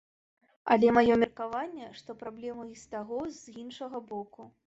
Але маё меркаванне, што праблема і з таго і з іншага боку.